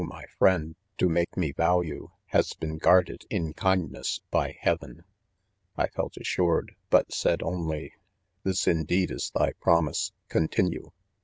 my friend, to make me value, has been guard ed, in kindness, by heaven V " I felt assured, but said only : This, indeed, is thy promise., continue.